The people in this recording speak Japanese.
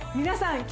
皆さん